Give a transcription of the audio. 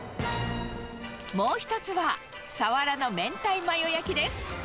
もう一つはサワラの明太マヨ焼きです。